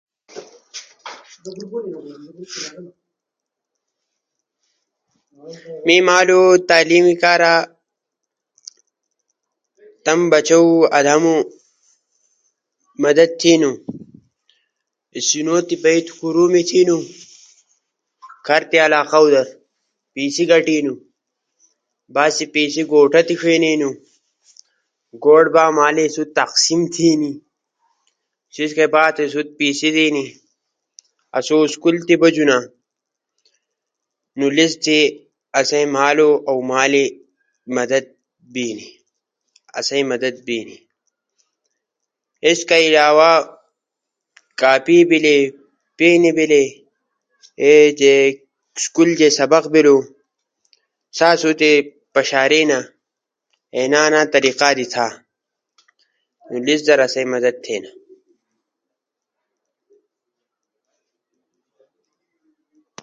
می مالو تمو بچوں کرہ ادامو مدد تھئ نو او آیک دیِشا کی ھوری دیشا تی پیسو کرہ کوروم تی بئ نؤ نو اسئ مدد تھئ نو کی ادادائ پیسی غٹئ نو اسئ مدد تھئ نو